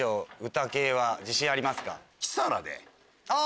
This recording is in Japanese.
歌系は自信ありますか？